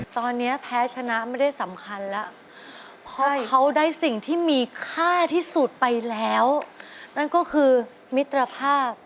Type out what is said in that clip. ตอนนี้แพ้ชนะไม่ได้สำคัญแล้วเพราะเขาได้สิ่งที่มีค่าที่สุดไปแล้วนั่นก็คือมิตรภาพ